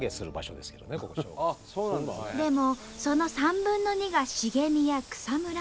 でもその３分の２が茂みや草むら。